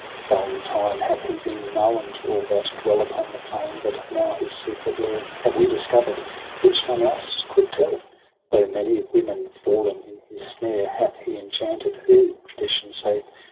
8 * Long time hath he been known to all that dwell Upon the plain ■ but now his secret lair Have we discover'd, which none else coud tell : Though many women feUen in his snare Hath he enchanted j who, tradition saith.